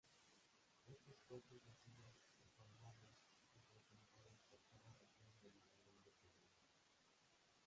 Estos coches ha sido reformados y repintados por cada región de manera independiente.